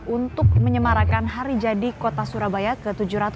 untuk menyemarakan hari jadi kota surabaya ke tujuh ratus tiga puluh